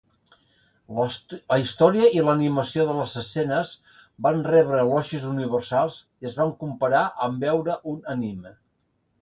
La història i l'animació de les escenes van rebre elogis universals i es van comparar amb veure un anime.